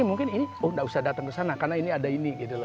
mungkin ini oh nggak usah datang ke sana karena ini ada ini gitu loh